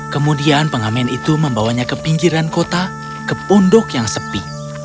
kemudian pengamen itu membawanya ke pinggiran kota ke pondok yang sepi